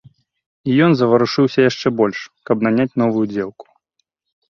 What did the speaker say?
І ён заварушыўся яшчэ больш, каб наняць новую дзеўку.